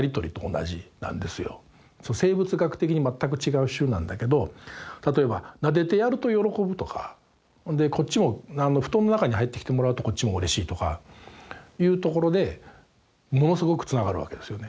生物学的に全く違う種なんだけど例えばなでてやると喜ぶとかほんでこっちも布団の中に入ってきてもらうとこっちもうれしいとかいうところでものすごくつながるわけですよね。